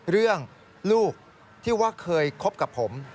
เรื่องลูกที่ว่าเคยคบกับผม